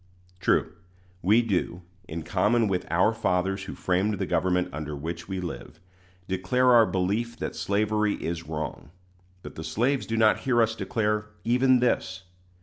True, we do, in common with "our fathers who framed the government under which we live," declare our belief that slavery is wrong; but the slaves do not hear us declare even this.